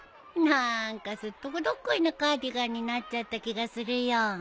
なんかすっとこどっこいなカーディガンになっちゃった気がするよ。